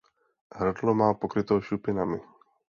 Hrdlo má pokryto šupinami.